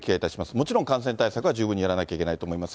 もちろん、感染対策は十分にやらなきゃいけないと思います。